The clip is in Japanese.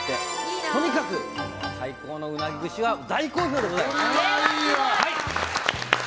とにかく最高のうなぎ串は大好評でございました。